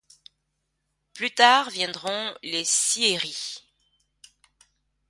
Plus tard viendront les scieries.